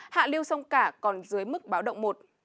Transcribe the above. hạ lưu sông cả còn dưới mức báo động một